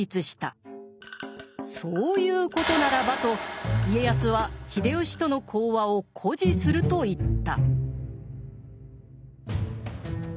「そういうことならば」と家康は秀吉との講和を固辞すると言った。